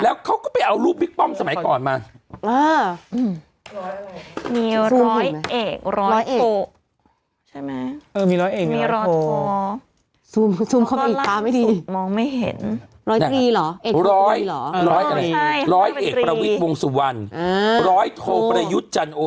แล้วเขาก็ไปเอารูปปิ๊กป้อมสมัยก่อนมาอ่าอืนมีส้มเห็นไหมร้อยเอกร้อยโข